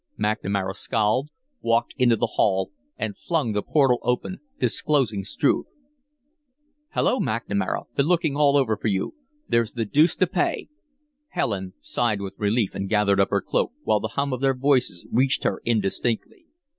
McNamara scowled, walked into the hall, and flung the portal open, disclosing Struve. "Hello, McNamara! Been looking all over for you. There's the deuce to pay!" Helen sighed with relief and gathered up her cloak, while the hum of their voices reached her indistinctly.